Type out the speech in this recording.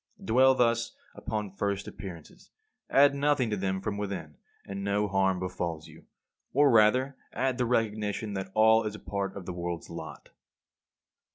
Dwell thus upon first appearances; add nothing to them from within, and no harm befalls you: or rather add the recognition that all is part of the world's lot.